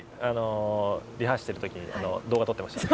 リハしている時に動画撮ってました。